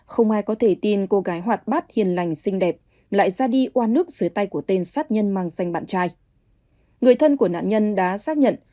không ai có thể tin cô gái hoạt bát hiền lành xinh đẹp lại ra đi qua nước dưới tay của tên